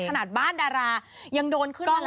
ขนาดบ้านดารางนี่ยังโดนคืนด้านลบ